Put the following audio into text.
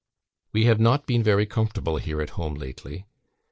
"We have not been very comfortable here at home lately.